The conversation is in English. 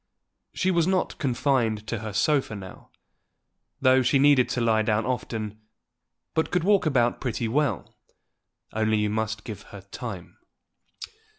She was not confined to her sofa now, though she needed to lie down often, but could walk about pretty well, only you must give her time.